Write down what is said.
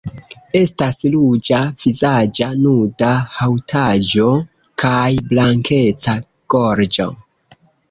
Estas ruĝa vizaĝa nuda haŭtaĵo kaj blankeca gorĝo.